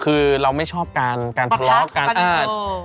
คือเราไม่ชอบการการทะเลาะการอ้า